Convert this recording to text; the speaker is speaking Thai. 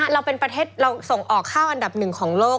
เราเป็นประเทศเราส่งออกข้าวอันดับหนึ่งของโลก